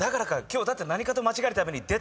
今日だって何かと間違えるたびに。